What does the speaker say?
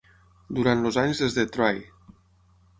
Durant els anys des de "Try!"